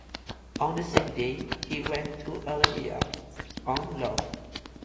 On the same day he went to Olbia on loan.